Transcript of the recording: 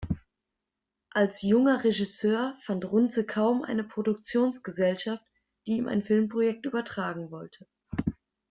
Als junger Regisseur fand Runze kaum eine Produktionsgesellschaft, die ihm ein Filmprojekt übertragen wollte.